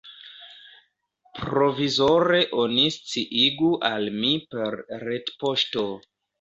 Provizore oni sciigu al mi per retpoŝto.